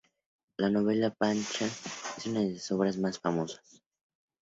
La novela Pancha es una de sus obras más famosas.